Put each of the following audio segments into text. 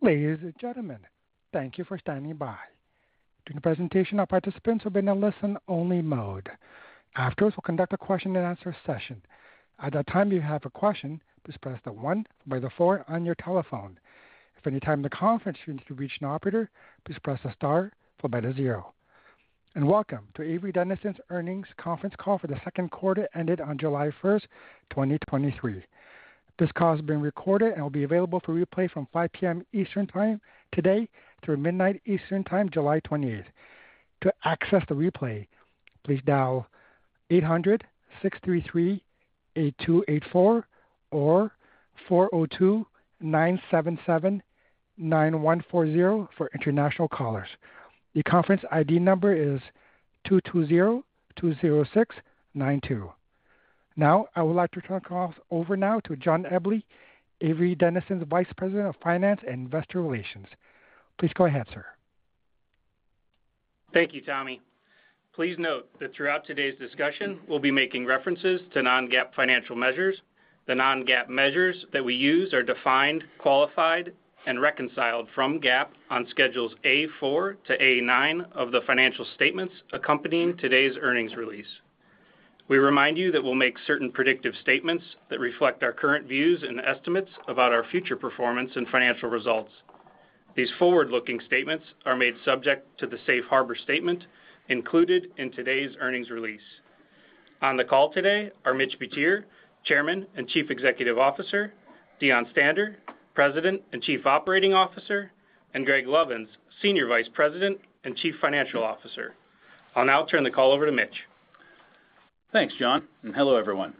Ladies and gentlemen, thank you for standing by. During the presentation, our participants will be in a listen-only mode. Afterwards, we'll conduct a question-and-answer session. At that time, if you have a question, please press the one by the four on your telephone. If at any time in the conference you need to reach an operator, please press star followed by the zero. Welcome to Avery Dennison's Earnings Conference Call for the second quarter ended on July 1st, 2023. This call is being recorded and will be available for replay from 5:00 P.M. Eastern Time today through midnight Eastern Time, July 28th. To access the replay, please dial 800-633-8284 or 402-977-9140 for international callers. The conference ID number is 22020692. Now, I would like to turn the call over now to John Eble, Avery Dennison's Vice President of Finance and Investor Relations. Please go ahead, sir. Thank you, Tommy. Please note that throughout today's discussion, we'll be making references to non-GAAP financial measures. The non-GAAP measures that we use are defined, qualified, and reconciled from GAAP on Schedules A-4 to A-9 of the financial statements accompanying today's earnings release. We remind you that we'll make certain predictive statements that reflect our current views and estimates about our future performance and financial results. These forward-looking statements are made subject to the safe harbor statement included in today's earnings release. On the call today are Mitch Butier, Chairman and Chief Executive Officer, Deon Stander, President and Chief Operating Officer, and Greg Lovins, Senior Vice President and Chief Financial Officer. I'll now turn the call over to Mitch. Thanks, John. Hello, everyone.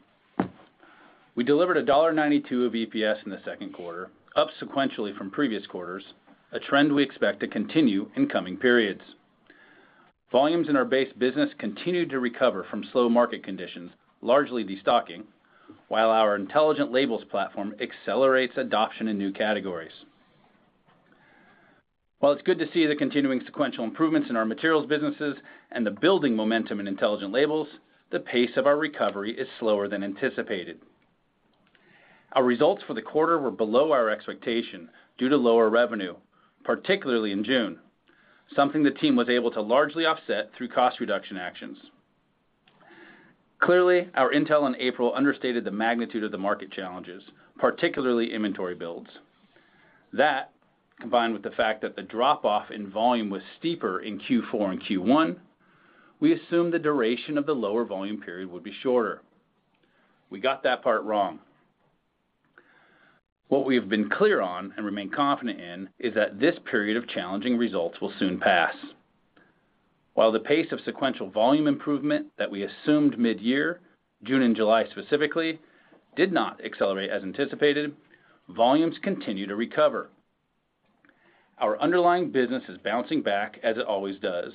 We delivered $1.92 of EPS in the second quarter, up sequentially from previous quarters, a trend we expect to continue in coming periods. Volumes in our base business continued to recover from slow market conditions, largely destocking, while our Intelligent Labels platform accelerates adoption in new categories. While it's good to see the continuing sequential improvements in our materials, businesses, and the building momentum in Intelligent Labels, the pace of our recovery is slower than anticipated. Our results for the quarter were below our expectation due to lower revenue, particularly in June, something the team was able to largely offset through cost reduction actions. Clearly, our intel in April understated the magnitude of the market challenges, particularly inventory builds. Combined with the fact that the drop-off in volume was steeper in Q4 and Q1, we assumed the duration of the lower volume period would be shorter. We got that part wrong. What we have been clear on and remain confident in is that this period of challenging results will soon pass. While the pace of sequential volume improvement that we assumed mid-year, June and July specifically, did not accelerate as anticipated, volumes continue to recover. Our underlying business is bouncing back as it always does.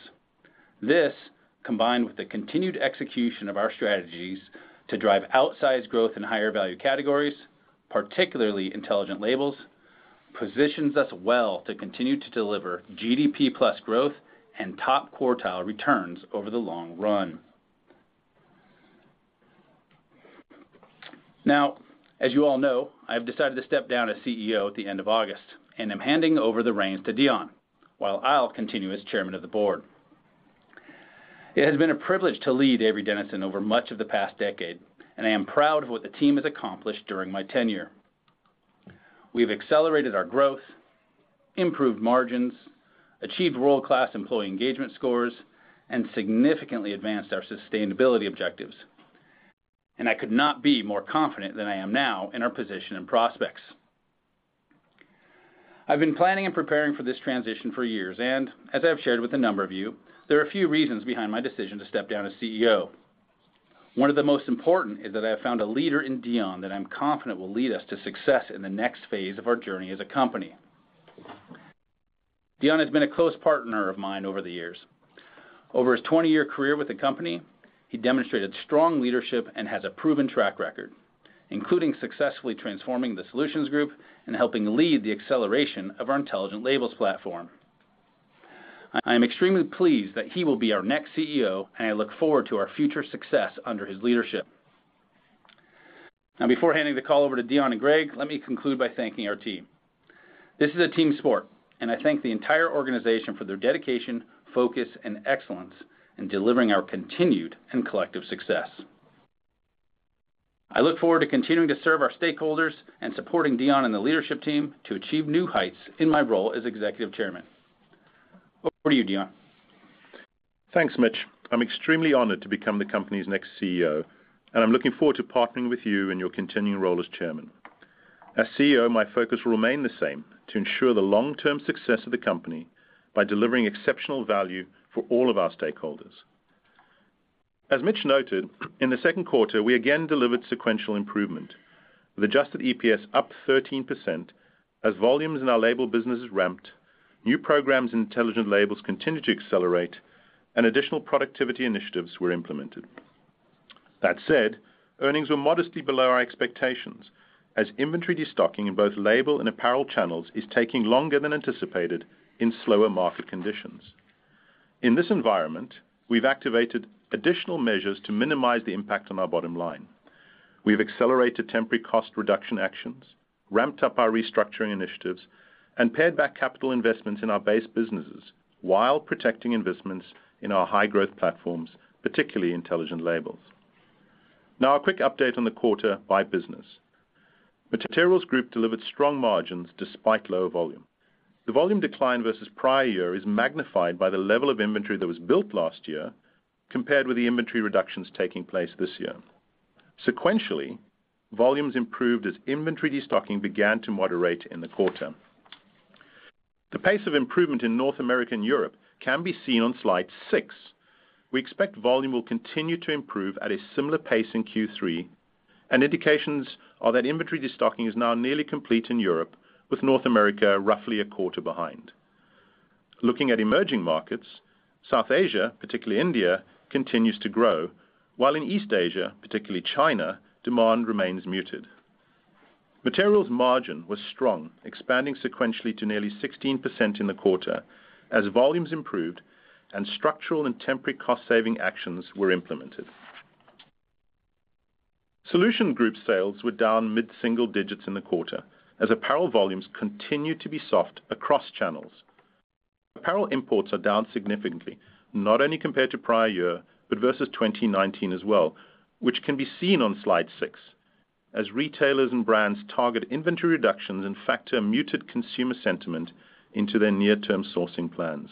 This, combined with the continued execution of our strategies to drive outsized growth in higher value categories, particularly Intelligent Labels, positions us well to continue to deliver GDP plus growth and top quartile returns over the long run. Now, as you all know, I've decided to step down as CEO at the end of August, and I'm handing over the reins to Deon, while I'll continue as chairman of the board. It has been a privilege to lead Avery Dennison over much of the past decade, and I am proud of what the team has accomplished during my tenure. We've accelerated our growth, improved margins, achieved world-class employee engagement scores, and significantly advanced our sustainability objectives. I could not be more confident than I am now in our position and prospects. I've been planning and preparing for this transition for years, and as I've shared with a number of you, there are a few reasons behind my decision to step down as CEO. One of the most important is that I have found a leader in Deon that I'm confident will lead us to success in the next phase of our journey as a company. Deon has been a close partner of mine over the years. Over his 20-year career with the company, he demonstrated strong leadership and has a proven track record, including successfully transforming the Solutions Group and helping lead the acceleration of our Intelligent Labels platform. I am extremely pleased that he will be our next CEO, and I look forward to our future success under his leadership. Now, before handing the call over to Deon and Greg, let me conclude by thanking our team. This is a team sport, and I thank the entire organization for their dedication, focus, and excellence in delivering our continued and collective success. I look forward to continuing to serve our stakeholders and supporting Deon and the leadership team to achieve new heights in my role as Executive Chairman. Over to you, Deon. Thanks, Mitch. I'm extremely honored to become the company's next CEO, and I'm looking forward to partnering with you in your continuing role as chairman. As CEO, my focus will remain the same: to ensure the long-term success of the company by delivering exceptional value for all of our stakeholders. As Mitch noted, in the second quarter, we again delivered sequential improvement, with adjusted EPS up 13% as volumes in our label businesses ramped, new programs in Intelligent Labels continued to accelerate, and additional productivity initiatives were implemented. That said, earnings were modestly below our expectations as inventory destocking in both label and apparel channels is taking longer than anticipated in slower market conditions. In this environment, we've activated additional measures to minimize the impact on our bottom line. We've accelerated temporary cost reduction actions, ramped up our restructuring initiatives, and paid back capital investments in our base businesses while protecting investments in our high-growth platforms, particularly Intelligent Labels. Now, a quick update on the quarter by business. Materials Group delivered strong margins despite low volume. The volume decline versus prior year is magnified by the level of inventory that was built last year, compared with the inventory reductions taking place this year. Sequentially, volumes improved as inventory destocking began to moderate in the quarter. The pace of improvement in North America and Europe can be seen on slide 6. We expect volume will continue to improve at a similar pace in Q3, and indications are that inventory destocking is now nearly complete in Europe, with North America roughly a quarter behind. Looking at emerging markets, South Asia, particularly India, continues to grow, while in East Asia, particularly China, demand remains muted. Materials margin was strong, expanding sequentially to nearly 16% in the quarter as volumes improved and structural and temporary cost-saving actions were implemented. Solutions Group sales were down mid-single digits in the quarter as apparel volumes continued to be soft across channels. Apparel imports are down significantly, not only compared to prior year, but versus 2019 as well, which can be seen on slide 6, as retailers and brands target inventory reductions and factor muted consumer sentiment into their near-term sourcing plans.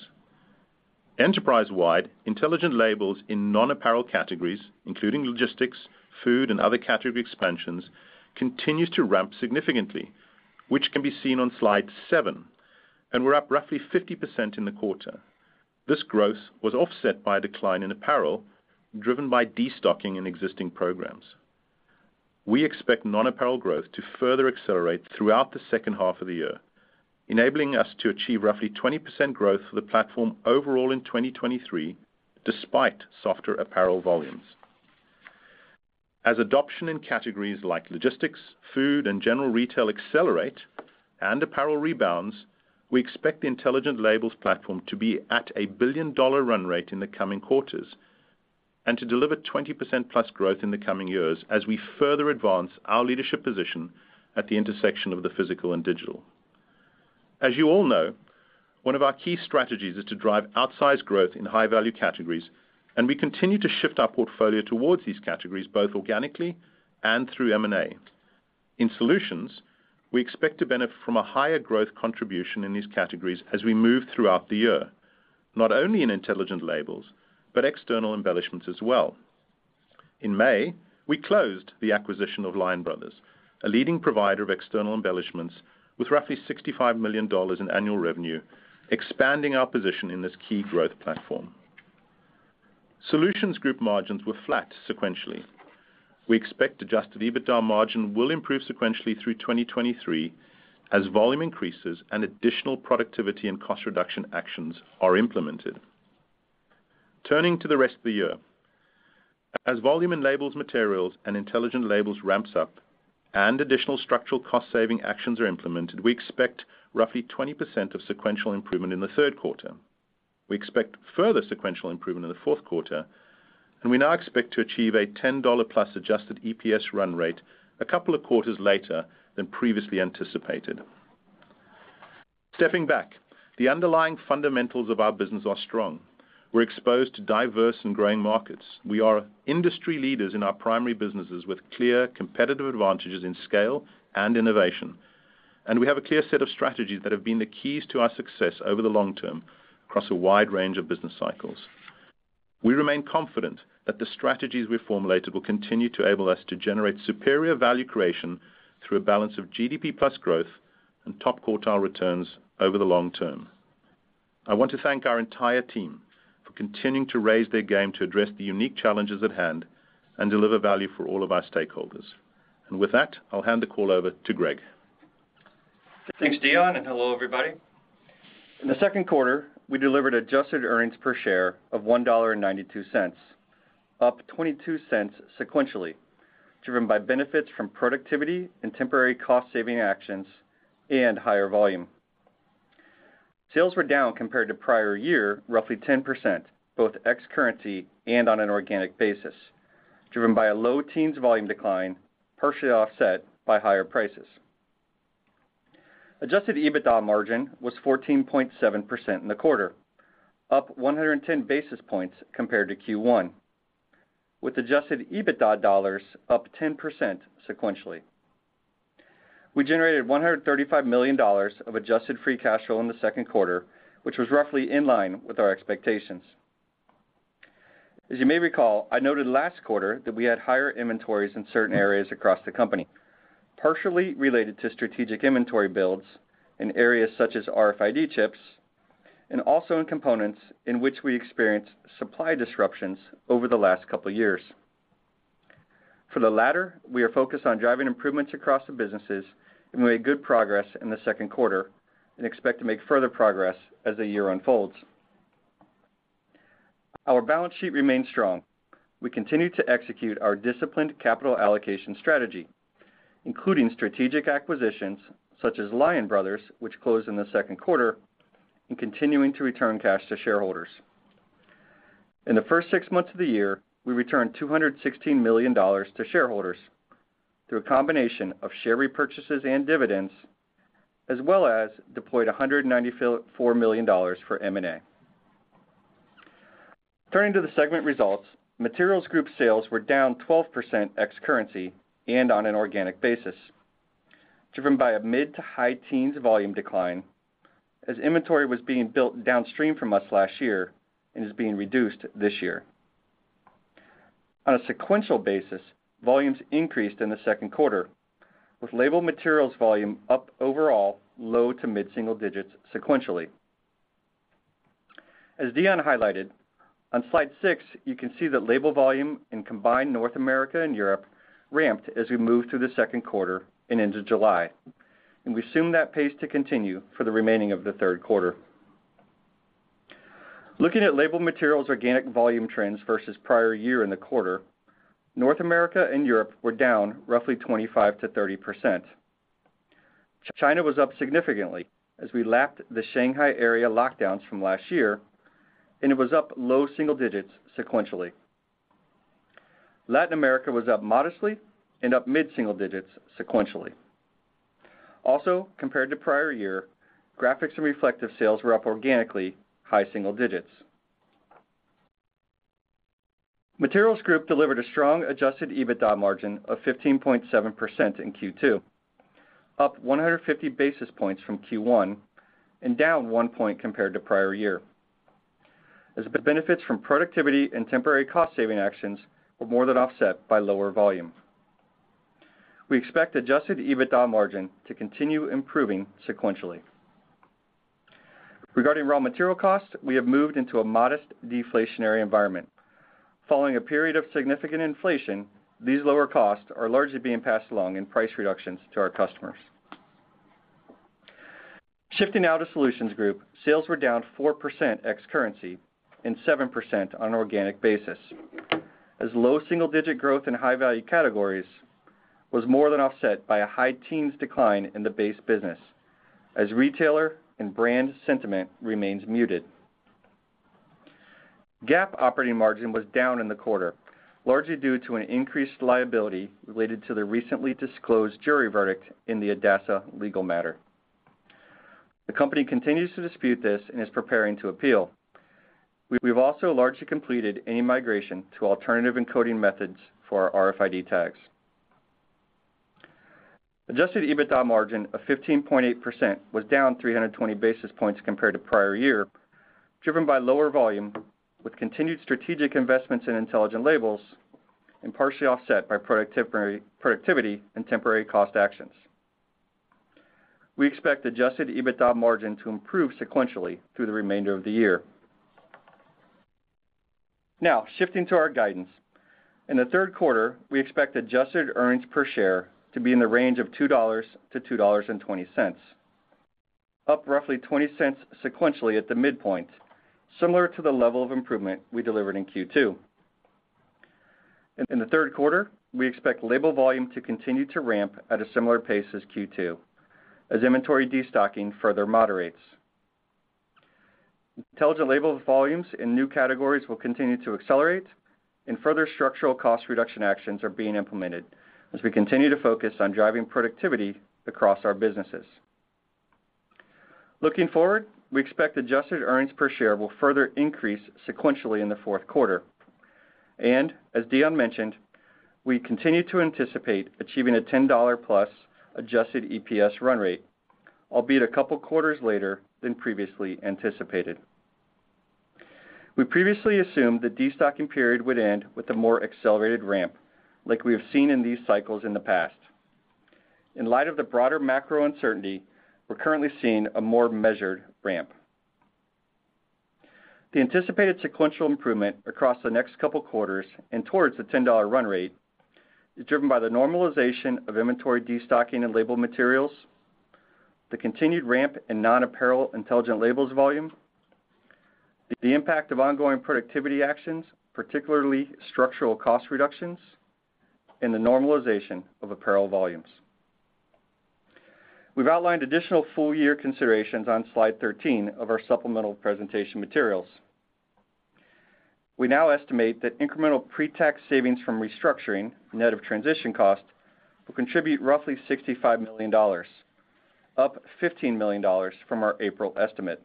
Enterprise-wide, Intelligent Labels in non-apparel categories, including logistics, food, and other category expansions, continues to ramp significantly, which can be seen on slide 7, and we're up roughly 50% in the quarter. This growth was offset by a decline in apparel, driven by destocking in existing programs. We expect non-apparel growth to further accelerate throughout the second half of the year, enabling us to achieve roughly 20% growth for the platform overall in 2023, despite softer apparel volumes. As adoption in categories like logistics, food, and general retail accelerate and apparel rebounds, we expect the Intelligent Labels platform to be at a billion-dollar run rate in the coming quarters, and to deliver 20%+ growth in the coming years as we further advance our leadership position at the intersection of the physical and digital. As you all know, one of our key strategies is to drive outsized growth in high-value categories, and we continue to shift our portfolio towards these categories, both organically and through M&A. In solutions, we expect to benefit from a higher growth contribution in these categories as we move throughout the year, not only in Intelligent Labels, but external embellishments as well. In May, we closed the acquisition of Lion Brothers, a leading provider of external embellishments with roughly $65 million in annual revenue, expanding our position in this key growth platform. Solutions Group margins were flat sequentially. We expect adjusted EBITDA margin will improve sequentially through 2023 as volume increases and additional productivity and cost reduction actions are implemented. Turning to the rest of the year, as volume in labels, materials, and Intelligent Labels ramps up and additional structural cost-saving actions are implemented, we expect roughly 20% of sequential improvement in the third quarter. We expect further sequential improvement in the fourth quarter. We now expect to achieve a $10+ adjusted EPS run rate a couple of quarters later than previously anticipated. Stepping back, the underlying fundamentals of our business are strong. We're exposed to diverse and growing markets. We are industry leaders in our primary businesses with clear competitive advantages in scale and innovation. We have a clear set of strategies that have been the keys to our success over the long term across a wide range of business cycles. We remain confident that the strategies we've formulated will continue to enable us to generate superior value creation through a balance of GDP plus growth and top-quartile returns over the long term. I want to thank our entire team for continuing to raise their game to address the unique challenges at hand and deliver value for all of our stakeholders. With that, I'll hand the call over to Greg. Thanks, Deon. Hello, everybody. In the second quarter, we delivered adjusted earnings per share of $1.92, up $0.22 sequentially, driven by benefits from productivity and temporary cost-saving actions and higher volume. Sales were down compared to prior year, roughly 10%, both ex currency and on an organic basis, driven by a low teens volume decline, partially offset by higher prices. Adjusted EBITDA margin was 14.7% in the quarter, up 110 basis points compared to Q1, with adjusted EBITDA dollars up 10% sequentially. We generated $135 million of adjusted free cash flow in the second quarter, which was roughly in line with our expectations. As you may recall, I noted last quarter that we had higher inventories in certain areas across the company, partially related to strategic inventory builds in areas such as RFID chips and also in components in which we experienced supply disruptions over the last couple of years. For the latter, we are focused on driving improvements across the businesses, and we made good progress in the second quarter and expect to make further progress as the year unfolds. Our balance sheet remains strong. We continue to execute our disciplined capital allocation strategy, including strategic acquisitions such as Lion Brothers, which closed in the second quarter, and continuing to return cash to shareholders. In the first 6 months of the year, we returned $216 million to shareholders through a combination of share repurchases and dividends, as well as deployed $194 million for M&A. Turning to the segment results, Materials Group sales were down 12% ex-currency and on an organic basis, driven by a mid-to-high teens volume decline, as inventory was being built downstream from us last year and is being reduced this year. On a sequential basis, volumes increased in the second quarter, with Label Materials volume up overall, low to mid-single digits sequentially. As Deon highlighted, on slide 6, you can see that label volume in combined North America and Europe ramped as we moved through the second quarter and into July. We assume that pace to continue for the remaining of the third quarter. Looking at Label Materials organic volume trends versus prior year in the quarter, North America and Europe were down roughly 25%-30%. China was up significantly as we lapped the Shanghai area lockdowns from last year, and it was up low single digits sequentially. Latin America was up modestly and up mid-single digits sequentially. Also, compared to prior year, Graphics and Reflective sales were up organically, high single digits. Materials Group delivered a strong adjusted EBITDA margin of 15.7% in Q2, up 150 basis points from Q1 and down 1 point compared to prior year. As the benefits from productivity and temporary cost-saving actions were more than offset by lower volume. We expect adjusted EBITDA margin to continue improving sequentially. Regarding raw material costs, we have moved into a modest deflationary environment. Following a period of significant inflation, these lower costs are largely being passed along in price reductions to our customers. Shifting now to Solutions Group, sales were down 4% ex-currency and 7% on an organic basis, as low single-digit growth in high-value categories was more than offset by a high teens decline in the base business, as retailer and brand sentiment remains muted. GAAP operating margin was down in the quarter, largely due to an increased liability related to the recently disclosed jury verdict in the ADASA legal matter. The company continues to dispute this and is preparing to appeal. We've also largely completed any migration to alternative encoding methods for our RFID tags. Adjusted EBITDA margin of 15.8% was down 320 basis points compared to prior year, driven by lower volume, with continued strategic investments in Intelligent Labels and partially offset by productivity and temporary cost actions. We expect adjusted EBITDA margin to improve sequentially through the remainder of the year. Now, shifting to our guidance. In the third quarter, we expect adjusted earnings per share to be in the range of $2.00-$2.20, up roughly $0.20 sequentially at the midpoint, similar to the level of improvement we delivered in Q2. In the third quarter, we expect label volume to continue to ramp at a similar pace as Q2, as inventory destocking further moderates. Intelligent Labels volumes in new categories will continue to accelerate, further structural cost reduction actions are being implemented as we continue to focus on driving productivity across our businesses. Looking forward, we expect adjusted earnings per share will further increase sequentially in the fourth quarter. As Deon mentioned, we continue to anticipate achieving a $10-plus adjusted EPS run rate, albeit a couple of quarters later than previously anticipated. We previously assumed the destocking period would end with a more accelerated ramp, like we have seen in these cycles in the past. In light of the broader macro uncertainty, we're currently seeing a more measured ramp. The anticipated sequential improvement across the next couple of quarters and towards the $10 run rate is driven by the normalization of inventory destocking and Label Materials, the continued ramp in non-apparel Intelligent Labels volume, the impact of ongoing productivity actions, particularly structural cost reductions, and the normalization of apparel volumes. We've outlined additional full year considerations on slide 13 of our supplemental presentation materials. We now estimate that incremental pre-tax savings from restructuring, net of transition cost, will contribute roughly $65 million, up $15 million from our April estimate.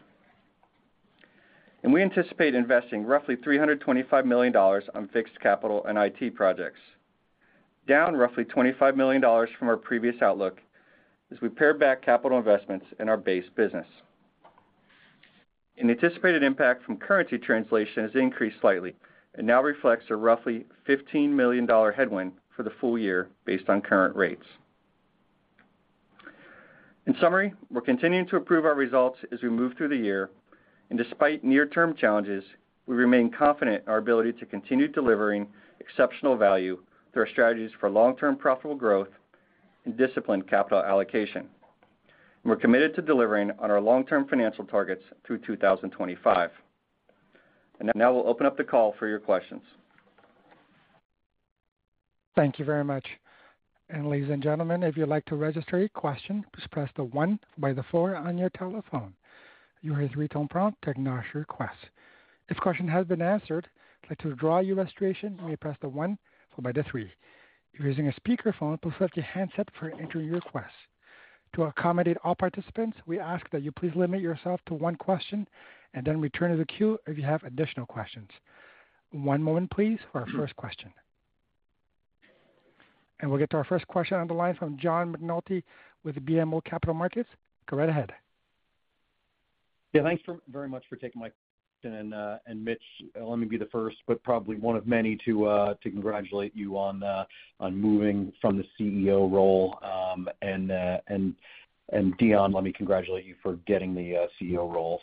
We anticipate investing roughly $325 million on fixed capital and IT projects, down roughly $25 million from our previous outlook, as we pare back capital investments in our base business. An anticipated impact from currency translation has increased slightly and now reflects a roughly $15 million headwind for the full year based on current rates. In summary, we're continuing to improve our results as we move through the year, and despite near-term challenges, we remain confident in our ability to continue delivering exceptional value through our strategies for long-term profitable growth and disciplined capital allocation. We're committed to delivering on our long-term financial targets through 2025. Now we'll open up the call for your questions. Thank you very much. Ladies and gentlemen, if you'd like to register your question, please press the 1 by the 4 on your telephone. You will hear a tone prompt to acknowledge your request. If your question has been answered, like to withdraw your registration, may press the 1 followed by the 3. If you're using a speakerphone, please press your handset for entering your request. To accommodate all participants, we ask that you please limit yourself to 1 question and then return to the queue if you have additional questions. One moment, please, for our first question. We'll get to our first question on the line from John McNulty with the BMO Capital Markets. Go right ahead. Yeah, thanks very much for taking my question. Mitch, let me be the first, but probably one of many, to congratulate you on moving from the CEO role. Deon, let me congratulate you for getting the CEO role.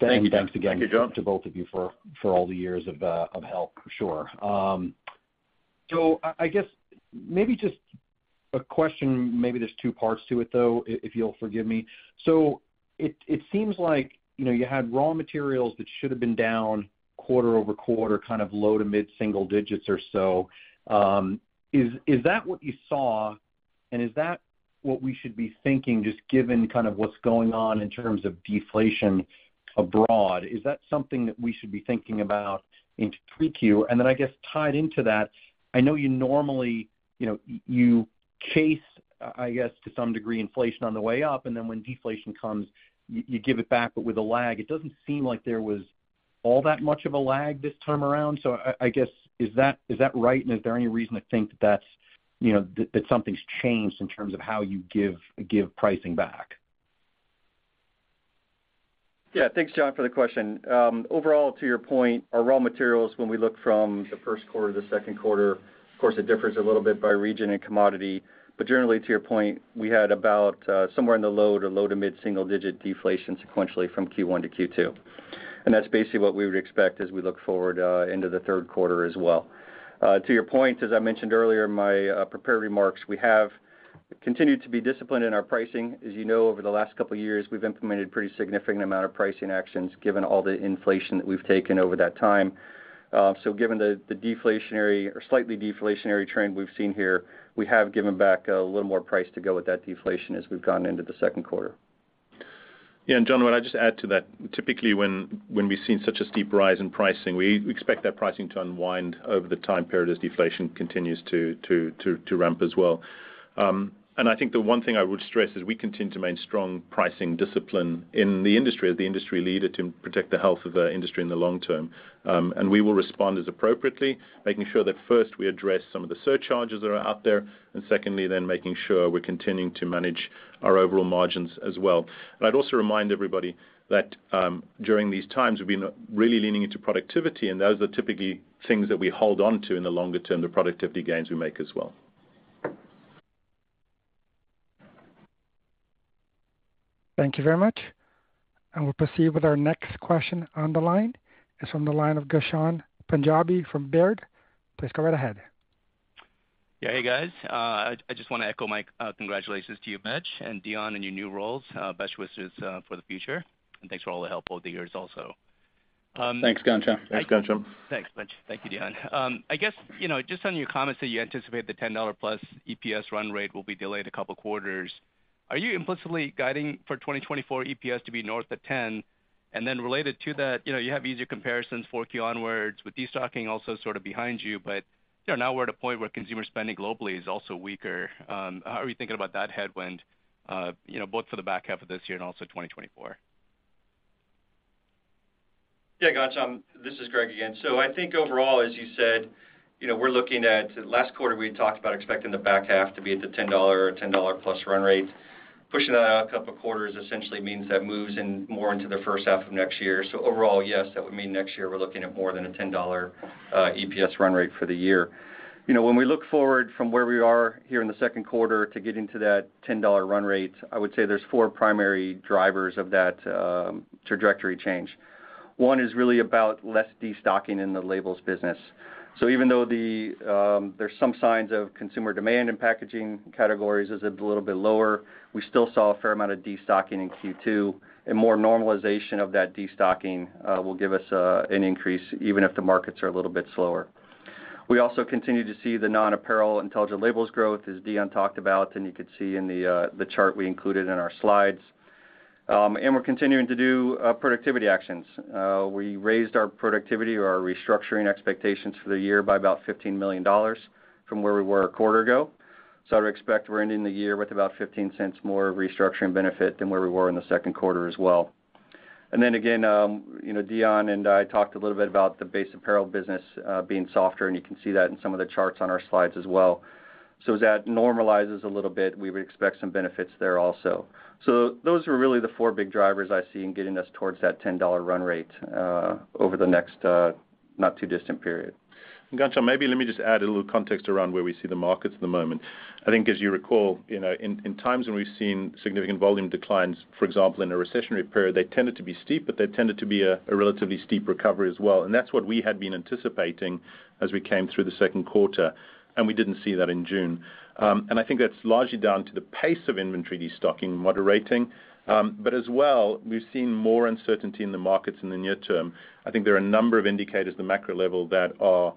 Thank you. Thanks again. Thank you, John. to both of you for all the years of help, for sure. I guess maybe just a question, maybe there's two parts to it, though, if you'll forgive me. It, it seems like, you know, you had raw materials that should have been down quarter-over-quarter, kind of low to mid single digits or so. Is, is that what you saw, and is that what we should be thinking, just given kind of what's going on in terms of deflation abroad? Is that something that we should be thinking about into 3Q? I guess tied into that, I know you normally, you know, you chase, I guess, to some degree, inflation on the way up, and then when deflation comes, you give it back, but with a lag. It doesn't seem like there was all that much of a lag this time around. I guess, is that, is that right? And is there any reason to think that that's, you know, that something's changed in terms of how you give pricing back? Yeah. Thanks, John, for the question. Overall, to your point, our raw materials, when we look from the first quarter to the second quarter, of course, it differs a little bit by region and commodity. Generally, to your point, we had about somewhere in the low to low to mid single digit deflation sequentially from Q1 to Q2. That's basically what we would expect as we look forward into the third quarter as well. To your point, as I mentioned earlier in my prepared remarks, we have continued to be disciplined in our pricing. As you know, over the last couple of years, we've implemented pretty significant amount of pricing actions, given all the inflation that we've taken over that time. Given the deflationary or slightly deflationary trend we've seen here, we have given back a little more price to go with that deflation as we've gone into the second quarter. Yeah, John, what I'd just add to that, typically, when we've seen such a steep rise in pricing, we expect that pricing to unwind over the time period as deflation continues to ramp as well. I think the one thing I would stress is we continue to maintain strong pricing discipline in the industry, as the industry leader, to protect the health of the industry in the long term. We will respond as appropriately, making sure that first, we address some of the surcharges that are out there, and secondly, then making sure we're continuing to manage our overall margins as well. I'd also remind everybody that, during these times, we've been really leaning into productivity, and those are typically things that we hold on to in the longer term, the productivity gains we make as well. Thank you very much. We'll proceed with our next question on the line. It's from the line of Ghansham Panjabi from Baird. Please go right ahead. Yeah. Hey, guys. I just want to echo my congratulations to you, Mitch and Deon, in your new roles. Best wishes for the future, thanks for all the help over the years also. Thanks, Ghansham. Thanks, Ghansham. Thanks, Mitch. Thank you, Deon. I guess, you know, just on your comments that you anticipate the $10-plus EPS run rate will be delayed a couple quarters, are you implicitly guiding for 2024 EPS to be north of 10? Related to that, you know, you have easier comparisons for Q onwards, with destocking also sort of behind you, but, you know, now we're at a point where consumer spending globally is also weaker. How are you thinking about that headwind, you know, both for the back half of this year and also 2024? Yeah, Ghansham, this is Greg again. I think overall, as you said, you know, we're looking at Last quarter, we talked about expecting the back half to be at the $10 or $10-plus run rate. Pushing that out a couple of quarters essentially means that moves in more into the first half of next year. Overall, yes, that would mean next year we're looking at more than a $10 EPS run rate for the year. You know, when we look forward from where we are here in the second quarter to getting to that $10 run rate, I would say there's 4 primary drivers of that trajectory change. One is really about less destocking in the labels business. Even though the, there's some signs of consumer demand in packaging categories is a little bit lower, we still saw a fair amount of destocking in Q2, and more normalization of that destocking, will give us an increase, even if the markets are a little bit slower. We also continue to see the non-apparel Intelligent Labels growth, as Deon talked about, and you could see in the chart we included in our slides. We're continuing to do productivity actions. We raised our productivity or our restructuring expectations for the year by about $15 million from where we were a quarter ago. I would expect we're ending the year with about $0.15 more restructuring benefit than where we were in the second quarter as well. Then again, you know, Deon and I talked a little bit about the base apparel business, being softer, and you can see that in some of the charts on our slides as well. As that normalizes a little bit, we would expect some benefits there also. Those are really the four big drivers I see in getting us towards that $10 run rate over the next not too distant period. Ghansham, maybe let me just add a little context around where we see the markets at the moment. I think, as you recall, you know, in times when we've seen significant volume declines, for example, in a recessionary period, they tended to be steep, but they tended to be a relatively steep recovery as well, and that's what we had been anticipating as we came through the second quarter. We didn't see that in June. I think that's largely down to the pace of inventory destocking moderating. As well, we've seen more uncertainty in the markets in the near term. I think there are a number of indicators at the macro level that are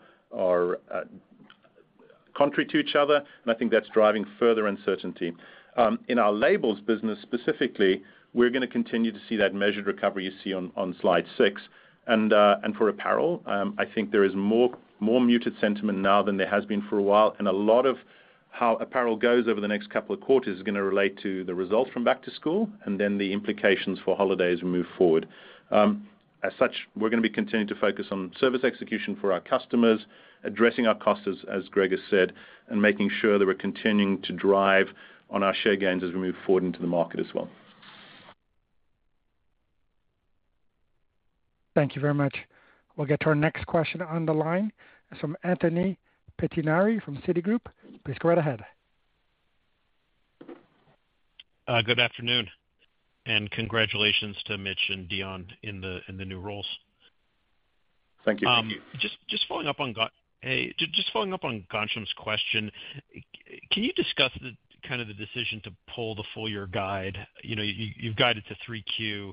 contrary to each other. I think that's driving further uncertainty. In our labels business, specifically, we're gonna continue to see that measured recovery you see on slide 6. For apparel, I think there is more, more muted sentiment now than there has been for a while, and a lot of how apparel goes over the next couple of quarters is gonna relate to the results from back to school and then the implications for holidays as we move forward. As such, we're gonna be continuing to focus on service execution for our customers, addressing our costs, as Greg has said, and making sure that we're continuing to drive on our share gains as we move forward into the market as well. Thank you very much. We'll get to our next question on the line from Anthony Pettinari from Citigroup. Please go right ahead. Good afternoon, congratulations to Mitch and Deon in the new roles. Thank you. Thank you. Just following up on Ghansham's question, can you discuss the, kind of the decision to pull the full year guide? You know, you've guided to 3Q,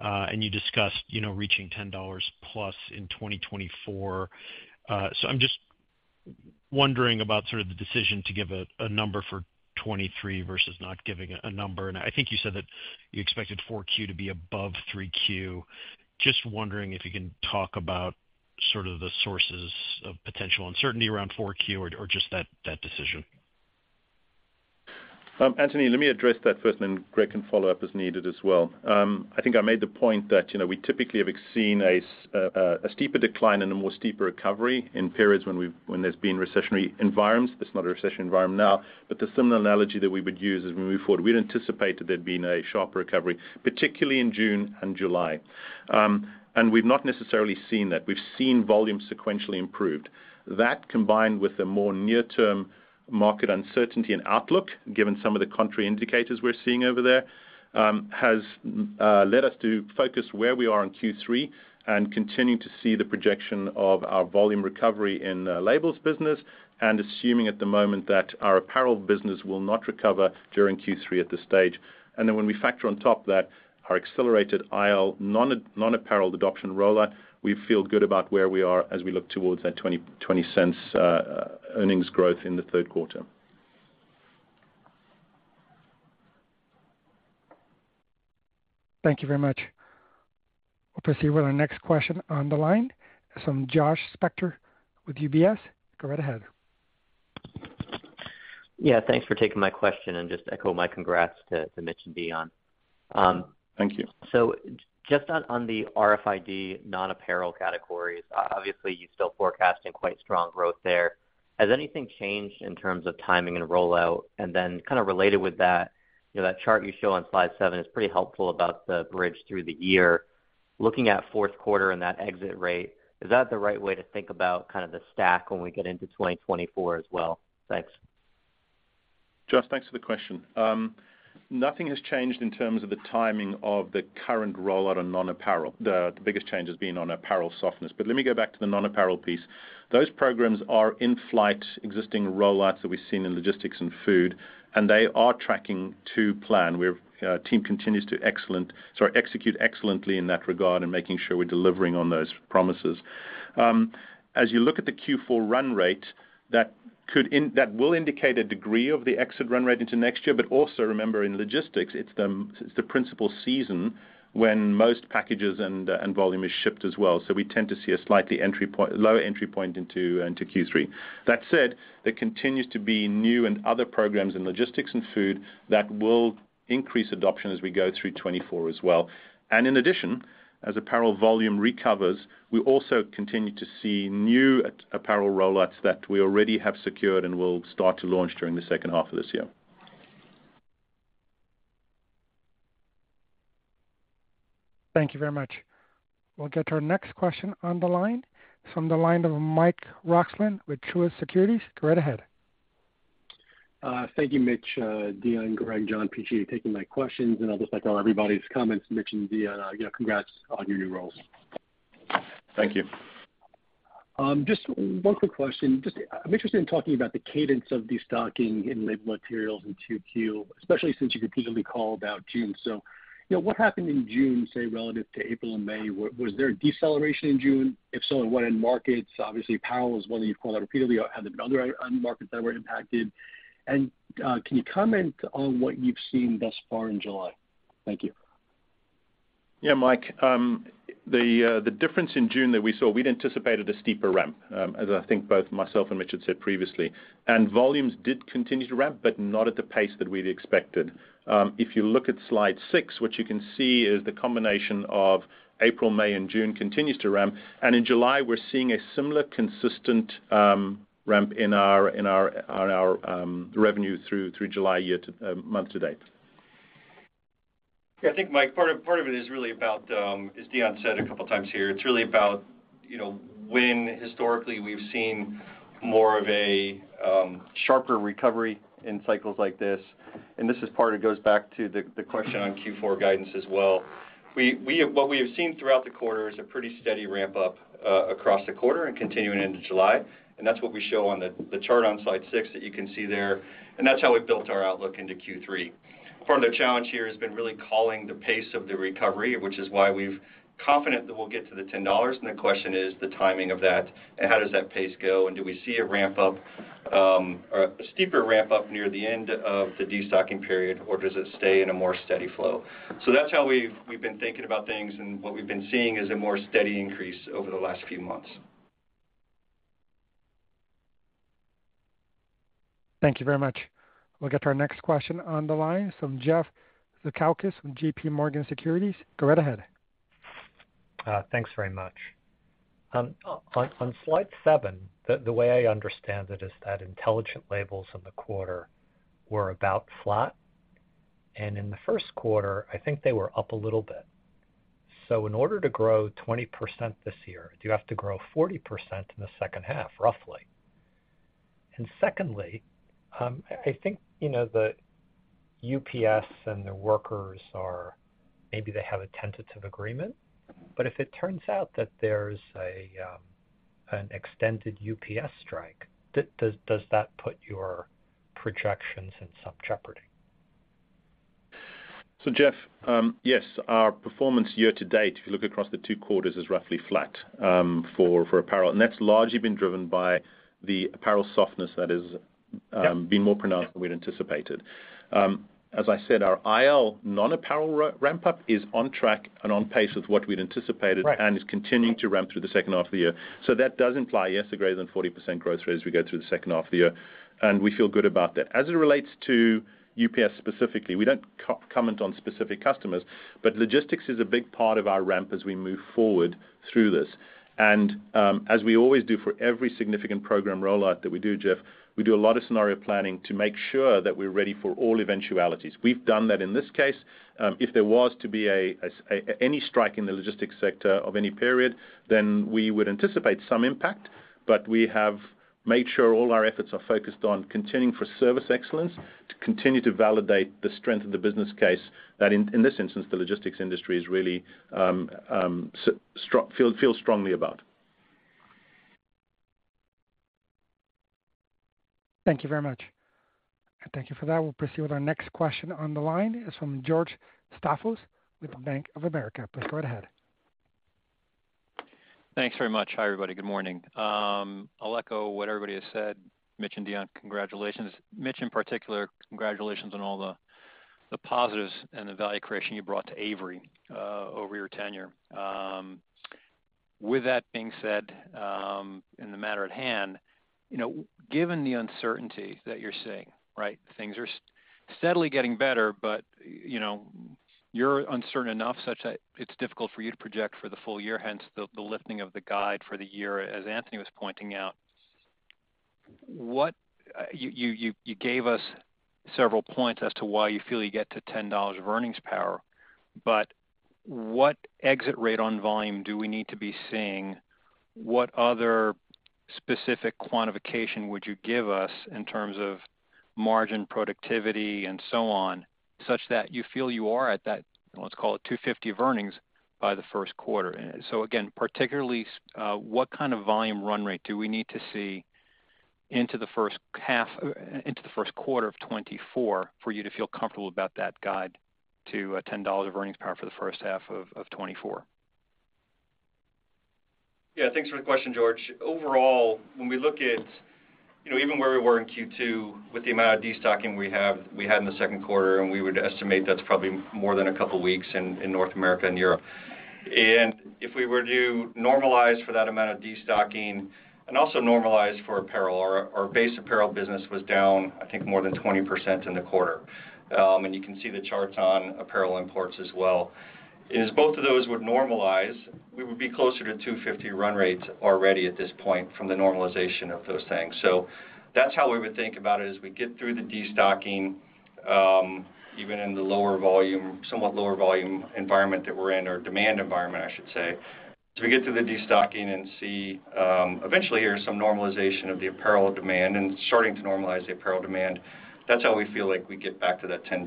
and you discussed, you know, reaching $10+ in 2024. I'm just wondering about sort of the decision to give a number for 23 versus not giving a number. I think you said that you expected 4Q to be above 3Q. Just wondering if you can talk about sort of the sources of potential uncertainty around 4Q or just that decision. Anthony, let me address that first, and then Greg can follow up as needed as well. I think I made the point that, you know, we typically have seen a steeper decline and a more steeper recovery in periods when there's been recessionary environments. It's not a recession environment now, but the similar analogy that we would use as we move forward, we'd anticipated there'd been a sharp recovery, particularly in June and July. We've not necessarily seen that. We've seen volume sequentially improved. That, combined with the more near-term market uncertainty and outlook, given some of the contrary indicators we're seeing over there, has led us to focus where we are in Q3 and continue to see the projection of our volume recovery in the labels business, and assuming at the moment that our apparel business will not recover during Q3 at this stage. When we factor on top that, our accelerated IL non-apparel adoption rollout, we feel good about where we are as we look towards that $0.20 earnings growth in the third quarter. Thank you very much. We'll proceed with our next question on the line from Josh Spector with UBS. Go right ahead. Yeah, thanks for taking my question, just echo my congrats to Mitch and Deon. Thank you. Just on the RFID non-apparel categories, obviously, you're still forecasting quite strong growth there. Has anything changed in terms of timing and rollout? Then kind of related with that, you know, that chart you show on Slide 7 is pretty helpful about the bridge through the year. Looking at fourth quarter and that exit rate, is that the right way to think about kind of the stack when we get into 2024 as well? Thanks. Josh, thanks for the question. Nothing has changed in terms of the timing of the current rollout on non-apparel. The biggest change has been on apparel softness. Let me go back to the non-apparel piece. Those programs are in flight, existing rollouts that we've seen in logistics and food, and they are tracking to plan. We're team continues to execute excellently in that regard and making sure we're delivering on those promises. As you look at the Q4 run rate, that will indicate a degree of the exit run rate into next year, but also remember, in logistics, it's the, it's the principal season when most packages and volume is shipped as well, so we tend to see a slightly lower entry point into Q3. That said, there continues to be new and other programs in logistics and food that will increase adoption as we go through 2024 as well. In addition, as apparel volume recovers, we also continue to see new apparel rollouts that we already have secured and will start to launch during the second half of this year. Thank you very much. We'll get to our next question on the line, from the line of Mike Roxland with Truist Securities. Go right ahead. Thank you, Mitch, Deon, Greg, John, PG, for taking my questions. I'll just echo everybody's comments, Mitch and Deon, congrats on your new roles. Thank you. Just one quick question. Just, I'm interested in talking about the cadence of destocking in Label Materials in 2Q, especially since you repeatedly called out June. You know, what happened in June, say, relative to April and May? Was there a deceleration in June? If so, what end markets? Obviously, apparel is one that you've called out repeatedly. Are there other end markets that were impacted? Can you comment on what you've seen thus far in July? Thank you. Yeah, Mike, the difference in June that we saw, we'd anticipated a steeper ramp, as I think both myself and Mitch had said previously. Volumes did continue to ramp, but not at the pace that we'd expected. If you look at slide 6, what you can see is the combination of April, May, and June continues to ramp, and in July, we're seeing a similar consistent ramp on our revenue through July year to month to date. Yeah, I think, Mike, part of it is really about, as Deon said a couple times here, it's really about, you know, when historically we've seen more of a sharper recovery in cycles like this. This is part, it goes back to the question on Q4 guidance as well. What we have seen throughout the quarter is a pretty steady ramp up across the quarter and continuing into July, that's what we show on the chart on slide six that you can see there, that's how we've built our outlook into Q3. Part of the challenge here has been really calling the pace of the recovery, which is why we've confident that we'll get to the $10, and the question is the timing of that, and how does that pace go, and do we see a ramp up, or a steeper ramp up near the end of the destocking period, or does it stay in a more steady flow? That's how we've been thinking about things, and what we've been seeing is a more steady increase over the last few months. Thank you very much. We'll get to our next question on the line from Jeff Zekauskas from JPMorgan Securities. Go right ahead. Thanks very much. On slide 7, the way I understand it is that Intelligent Labels in the quarter were about flat, and in the first quarter, I think they were up a little bit. In order to grow 20% this year, do you have to grow 40% in the second half, roughly? Secondly, I think, you know, the UPS and the workers are, maybe they have a tentative agreement, but if it turns out that there's a, an extended UPS strike, does that put your projections in some jeopardy? Jeff, yes, our performance year to date, if you look across the 2 quarters, is roughly flat for apparel, that's largely been driven by the apparel softness that has been more pronounced than we'd anticipated. As I said, our IL non-apparel ramp up is on track and on pace with what we'd anticipated. Right. Is continuing to ramp through the second half of the year. That does imply, yes, a greater than 40% growth rate as we go through the second half of the year, and we feel good about that. As it relates to UPS specifically, we don't comment on specific customers. Logistics is a big part of our ramp as we move forward through this. As we always do for every significant program rollout that we do, Jeff, we do a lot of scenario planning to make sure that we're ready for all eventualities. We've done that in this case. If there was to be any strike in the logistics sector of any period, then we would anticipate some impact, but we have made sure all our efforts are focused on continuing for service excellence, to continue to validate the strength of the business case, that in this instance, the logistics industry is really feel strongly about. Thank you very much. Thank you for that. We'll proceed with our next question on the line. It's from George Staphos with Bank of America. Please go right ahead. Thanks very much. Hi, everybody. Good morning. I'll echo what everybody has said. Mitch and Deon, congratulations. Mitch, in particular, congratulations on all the positives and the value creation you brought to Avery over your tenure. With that being said, in the matter at hand, you know, given the uncertainty that you're seeing, right, things are steadily getting better, but, you know, you're uncertain enough such that it's difficult for you to project for the full year, hence the lifting of the guide for the year, as Anthony was pointing out. You gave us several points as to why you feel you get to $10 of earnings power, but what exit rate on volume do we need to be seeing? What other specific quantification would you give us in terms of margin productivity and so on, such that you feel you are at that, let's call it $2.50 of earnings, by the first quarter? Again, particularly, what kind of volume run rate do we need to see into the first half, into the first quarter of 2024 for you to feel comfortable about that guide to $10 of earnings power for the first half of 2024? Yeah, thanks for the question, George. Overall, when we look at, you know, even where we were in Q2, with the amount of destocking we have, we had in the second quarter. We would estimate that's probably more than a couple of weeks in North America and Europe. If we were to normalize for that amount of destocking and also normalize for apparel, our base apparel business was down, I think, more than 20% in the quarter. You can see the charts on apparel imports as well. As both of those would normalize, we would be closer to $250 run rates already at this point from the normalization of those things. That's how we would think about it as we get through the destocking, even in the lower volume, somewhat lower volume environment that we're in, or demand environment, I should say. As we get to the destocking and see, eventually here, some normalization of the apparel demand and starting to normalize the apparel demand, that's how we feel like we get back to that $10.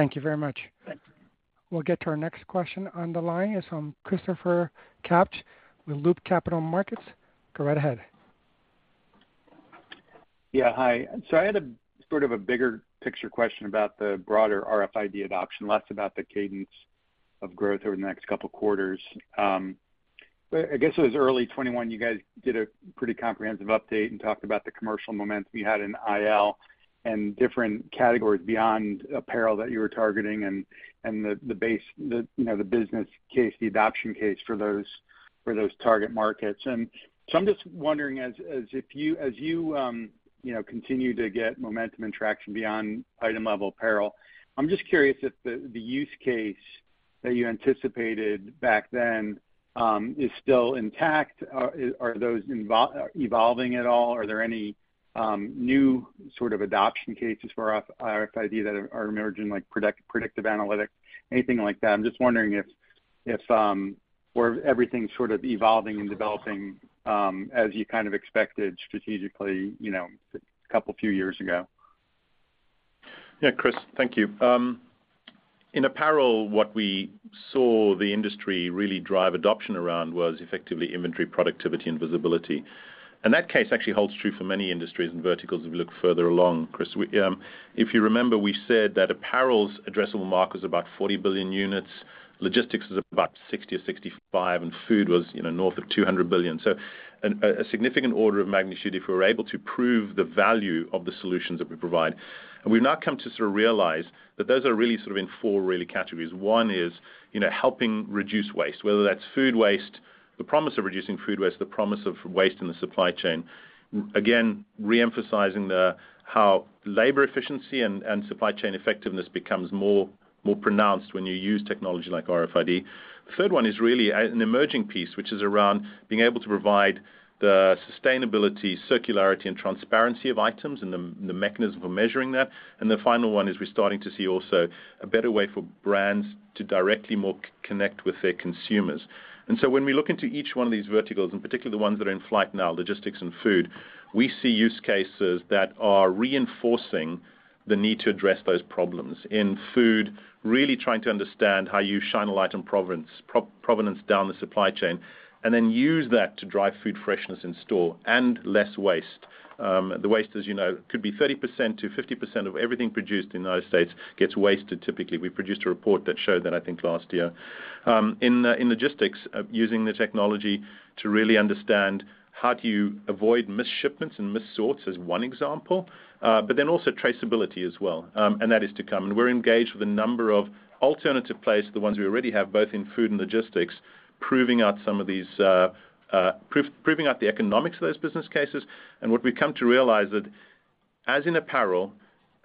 Thank you very much. Thanks. We'll get to our next question on the line. It's from Christopher Kapsch with Loop Capital Markets. Go right ahead. Yeah, hi. I had a sort of a bigger picture question about the broader RFID adoption, less about the cadence of growth over the next couple of quarters. I guess it was early 2021, you guys did a pretty comprehensive update and talked about the commercial momentum you had in IL and different categories beyond apparel that you were targeting and the base, you know, the business case, the adoption case for those target markets. I'm just wondering as if you, as you know, continue to get momentum and traction beyond item-level apparel, I'm just curious if the use case that you anticipated back then is still intact. Are those evolving at all? Are there any new sort of adoption cases for RFID that are emerging, like predictive analytics, anything like that? I'm just wondering if where everything's sort of evolving and developing, as you kind of expected strategically, you know, a couple, few years ago? Yeah, Chris, thank you. In apparel, what we saw the industry really drive adoption around was effectively inventory, productivity, and visibility. That case actually holds true for many industries and verticals, if you look further along, Chris. We, if you remember, we said that apparel's addressable market is about 40 billion units, logistics is about 60 or 65, and food was, you know, north of 200 billion. A significant order of magnitude if we're able to prove the value of the solutions that we provide. We've now come to sort of realize that those are really sort of in four really categories. One is, you know, helping reduce waste, whether that's food waste, the promise of reducing food waste, the promise of waste in the supply chain. Again, re-emphasizing the how labor efficiency and supply chain effectiveness becomes more pronounced when you use technology like RFID. The third one is really an emerging piece, which is around being able to provide the sustainability, circularity, and transparency of items and the mechanism for measuring that. The final one is we're starting to see also a better way for brands to directly more connect with their consumers. When we look into each one of these verticals, and particularly the ones that are in flight now, logistics and food, we see use cases that are reinforcing the need to address those problems. In food, really trying to understand how you shine a light on provenance down the supply chain, and then use that to drive food freshness in store and less waste. The waste, as you know, could be 30%-50% of everything produced in the United States gets wasted typically. We produced a report that showed that, I think, last year. In logistics, using the technology to really understand how do you avoid missed shipments and missed sorts is one example, but then also traceability as well, and that is to come. We're engaged with a number of alternative places, the ones we already have, both in food and logistics, proving out some of these, proving out the economics of those business cases. What we've come to realize that as in apparel,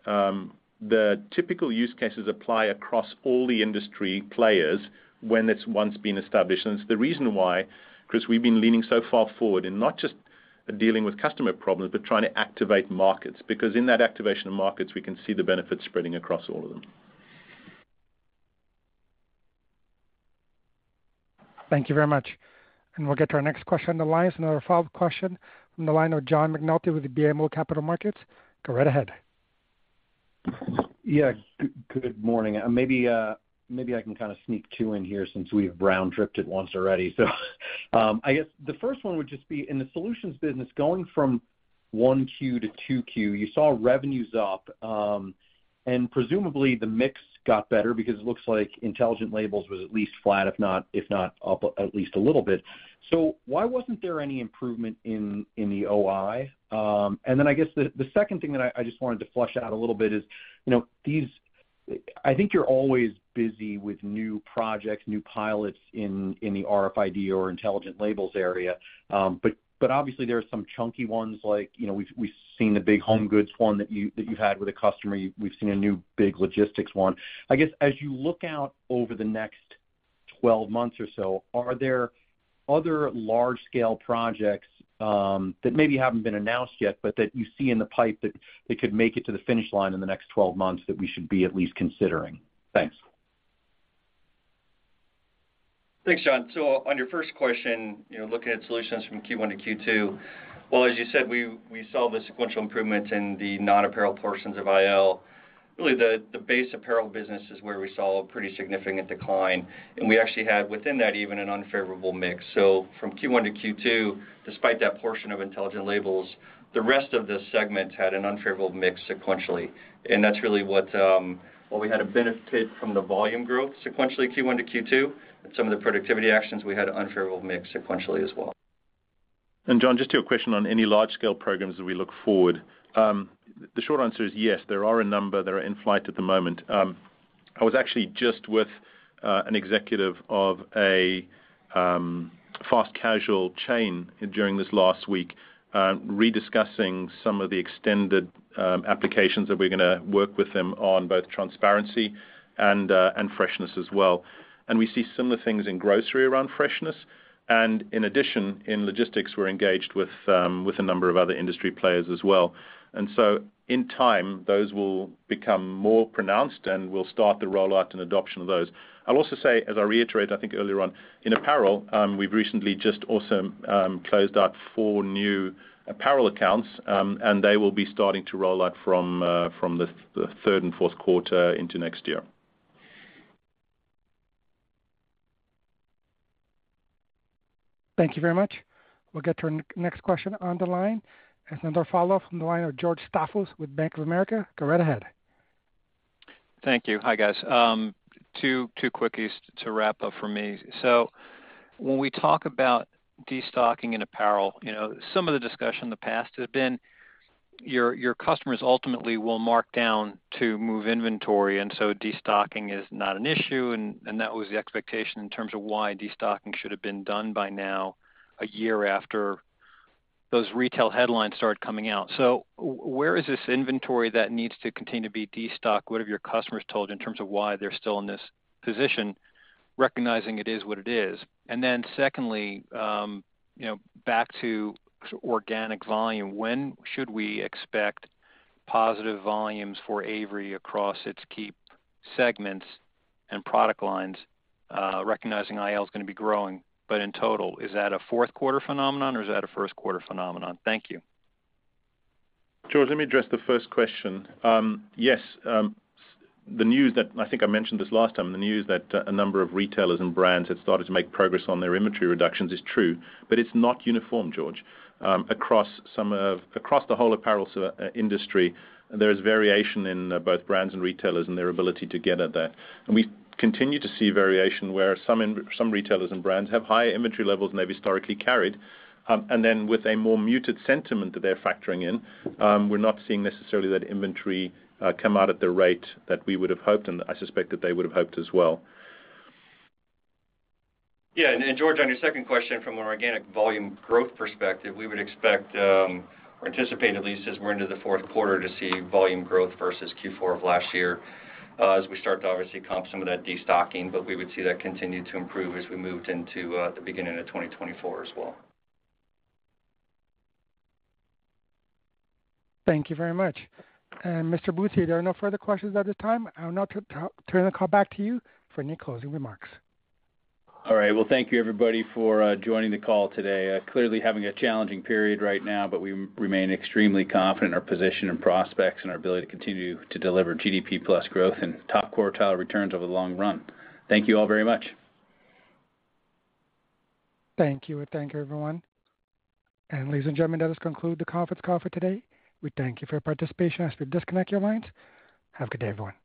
the typical use cases apply across all the industry players when it's once been established. It's the reason why, Chris, we've been leaning so far forward in not just dealing with customer problems, but trying to activate markets, because in that activation of markets, we can see the benefits spreading across all of them. Thank you very much. We'll get to our next question on the line. Another follow-up question from the line of John McNulty with the BMO Capital Markets. Go right ahead. Yeah, good morning. Maybe, maybe I can kind of sneak 2 in here since we've brown dripped it once already. I guess the first one would just be: in the Solutions business, going from 1Q to 2Q, you saw revenues up, and presumably, the mix got better because it looks like Intelligent Labels was at least flat, if not up at least a little bit. Why wasn't there any improvement in the OI? I guess the second thing that I just wanted to flush out a little bit is, you know, these I think you're always busy with new projects, new pilots in the RFID or Intelligent Labels area, but obviously, there are some chunky ones like, you know, we've seen the big home goods one that you had with a customer. We've seen a new big logistics one. I guess, as you look out over the next 12 months or so, are there other large-scale projects that maybe haven't been announced yet, but that you see in the pipe that could make it to the finish line in the next 12 months that we should be at least considering? Thanks. Thanks, John. On your first question, you know, looking at solutions from Q1 to Q2, well, as you said, we saw the sequential improvements in the non-apparel portions of IL. Really, the base apparel business is where we saw a pretty significant decline, and we actually had, within that, even an unfavorable mix. From Q1 to Q2, despite that portion of Intelligent Labels, the rest of this segment had an unfavorable mix sequentially, and that's really what, while we had a benefit from the volume growth sequentially, Q1 to Q2, and some of the productivity actions, we had an unfavorable mix sequentially as well. John, just to your question on any large-scale programs as we look forward, the short answer is yes, there are a number that are in flight at the moment. I was actually just with an executive of a fast casual chain during this last week, rediscussing some of the extended applications that we're gonna work with them on both transparency and freshness as well. We see similar things in grocery around freshness. In addition, in logistics, we're engaged with a number of other industry players as well. In time, those will become more pronounced, and we'll start the rollout and adoption of those. I'll also say, as I reiterated, I think earlier on, in apparel, we've recently just also closed out 4 new apparel accounts, and they will be starting to roll out from the third and fourth quarter into next year. Thank you very much. We'll get to our next question on the line. Another follow-up from the line of George Staphos with Bank of America. Go right ahead. Thank you. Hi, guys. two quickies to wrap up for me. When we talk about destocking in apparel, you know, some of the discussion in the past has been your customers ultimately will mark down to move inventory, and so destocking is not an issue, and that was the expectation in terms of why destocking should have been done by now, a year after those retail headlines started coming out. Where is this inventory that needs to continue to be destocked? What have your customers told you in terms of why they're still in this position, recognizing it is what it is? Secondly, you know, back to organic volume, when should we expect positive volumes for Avery across its key segments and product lines? Recognizing IL is gonna be growing, but in total, is that a fourth quarter phenomenon, or is that a first quarter phenomenon? Thank you. George, let me address the first question. Yes, the news that I think I mentioned this last time, the news that a number of retailers and brands have started to make progress on their inventory reductions is true, but it's not uniform, George. Across the whole apparel industry, there is variation in both brands and retailers and their ability to get at that. We continue to see variation where some retailers and brands have higher inventory levels than they've historically carried. Then with a more muted sentiment that they're factoring in, we're not seeing necessarily that inventory come out at the rate that we would have hoped, and I suspect that they would have hoped as well. Yeah, George, on your second question, from an organic volume growth perspective, we would expect, or anticipate at least as we're into the fourth quarter, to see volume growth versus Q4 of last year, as we start to obviously comp some of that destocking, but we would see that continue to improve as we moved into, the beginning of 2024 as well. Thank you very much. Mr. Butier, there are no further questions at the time. I'll now turn the call back to you for any closing remarks. All right. Well, thank you, everybody, for joining the call today. Clearly having a challenging period right now, We remain extremely confident in our position and prospects and our ability to continue to deliver GDP plus growth and top quartile returns over the long run. Thank you all very much. Thank you, and thank you, everyone. Ladies and gentlemen, that does conclude the conference call for today. We thank you for your participation. As we disconnect your lines, have a good day, everyone.